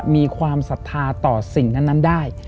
มีความศรัทธาต่อสิ่งนั้นได้